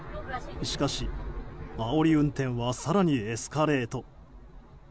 しかし、あおり運転は更にエスカレート。